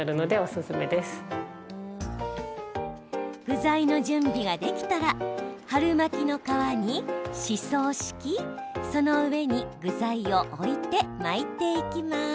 具材の準備ができたら春巻きの皮に、しそを敷きその上に具材を置いて巻いていきます。